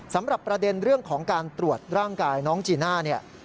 สำหรับประเด็นเรื่องของการตรวจร่างกายน้องจีน่าเนี่ย